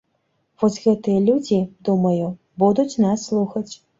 Вось гэтыя людзі, думаю, будуць нас слухаць.